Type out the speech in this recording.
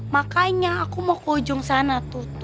makanya aku mau ke ujung sana tuh